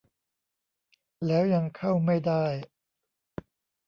แล้วยังเข้าไม่ได้